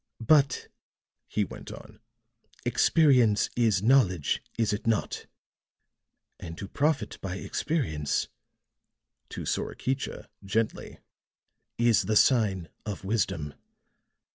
"But," he went on, "experience is knowledge, is it not? And to profit by experience," to Sorakicha, gently, "is the sign of wisdom.